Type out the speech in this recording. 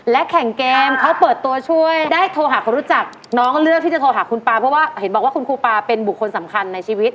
และแข่งเกมเขาเปิดตัวช่วยได้โทรหาคนรู้จักน้องเลือกที่จะโทรหาคุณปลาเพราะว่าเห็นบอกว่าคุณครูปาเป็นบุคคลสำคัญในชีวิต